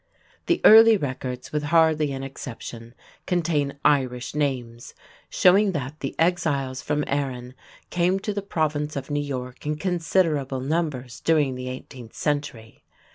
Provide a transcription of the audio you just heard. The early records, with hardly an exception, contain Irish names, showing that the "Exiles from Erin" came to the Province of New York in considerable numbers during the eighteenth century.